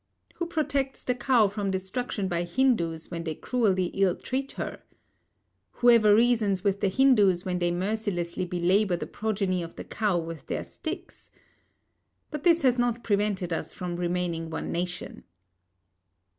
Who protects the cow from destruction by Hindus when they cruelly ill treat her? Whoever reasons with the Hindus when they mercilessly belabour the progeny of the cow with their sticks? But this has not prevented us from remaining one nation.